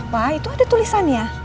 pak itu ada tulisan ya